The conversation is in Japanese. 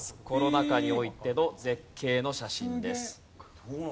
コロナ禍においての絶景の写真です。